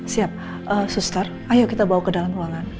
siap suster ayo kita bawa ke dalam ruangan